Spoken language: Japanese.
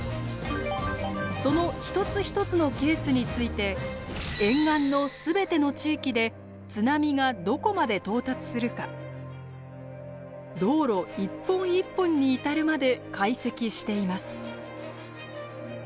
その一つ一つのケースについて沿岸の全ての地域で津波がどこまで到達するか道路一本一本に至るまで解析しています。